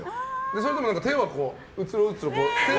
それでも手は、うつろうつろ。